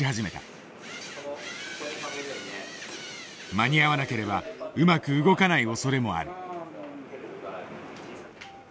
間に合わなければうまく動かないおそれもある。